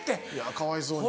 かわいそうに。